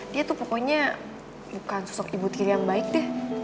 dia tuh pokoknya bukan sosok ibu tiri yang baik deh